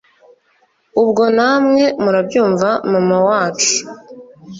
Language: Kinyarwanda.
ubwo namwe murabyumva mama wacu